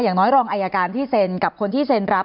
อย่างน้อยรองอายการที่เซ็นกับคนที่เซ็นรับ